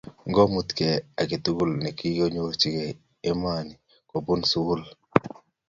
ngomutye aketukul nekinyorchine emoni kobunuu sukul